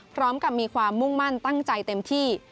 พร้อมกับมีความมุ่งมั่นตั้งใจเต็มที่